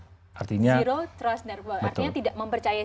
zero trust network artinya tidak mempercayai